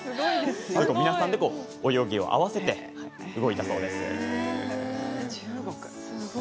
皆さんで泳ぎを合わせてするんだそうです。